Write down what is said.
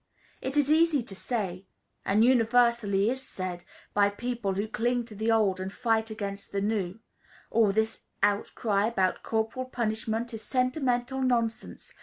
It is easy to say, and universally is said, by people who cling to the old and fight against the new, "All this outcry about corporal punishment is sentimental nonsense.